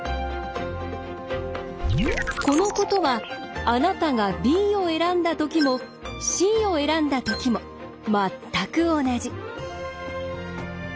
このことはあなたがＢを選んだときもＣを選んだときも全く同じ。